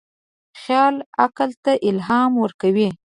خیال عقل ته الهام ورکوي.